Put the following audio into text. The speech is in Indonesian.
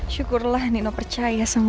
syukurlah nino percaya sama gue